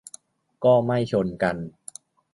ก็ไม่ชนกัน